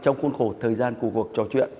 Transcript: trong khuôn khổ thời gian của cuộc trò chuyện